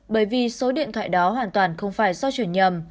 bởi vì số điện thoại đó hoàn toàn không phải do chuyển nhầm